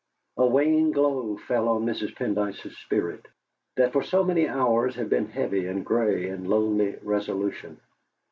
A wan glow fell on Mrs. Pendyce's spirit, that for so many hours had been heavy and grey in lonely resolution.